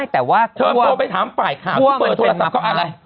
เธอไปถามฝ่ายข่าวที่เปิดโทรศัพท์ก็อะไร